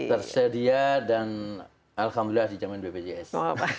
tersedia dan alhamdulillah di jaman bpjs